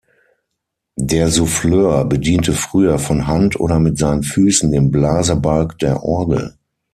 Der Souffleur bediente früher von Hand oder mit seinen Füßen den Blasebalg der Orgel.